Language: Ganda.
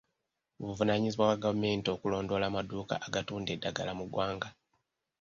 Buvunaanyizibwa bwa gavumenti okulondoola amaduuka agatunda eddagala mu ggwanga.